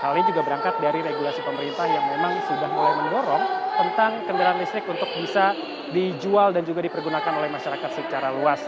hal ini juga berangkat dari regulasi pemerintah yang memang sudah mulai mendorong tentang kendaraan listrik untuk bisa dijual dan juga dipergunakan oleh masyarakat secara luas